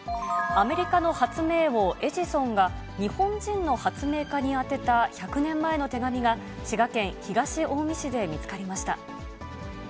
アメリカの発明王、エジソンが、日本人の発明家に宛てた１００年前の手紙が、滋賀県東近江市で見つかりました。